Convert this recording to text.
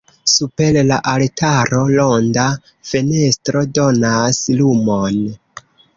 Super la altaro ronda fenestro donas lumon.